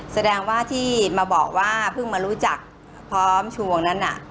แสดงว่าที่มาบอกว่าเพิ่งมารู้จักพร้อมชวงนั้นน่ะ